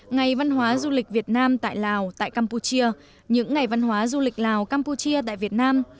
ngày văn hóa du lịch việt nam tại lào tại campuchia những ngày văn hóa du lịch lào campuchia tại việt nam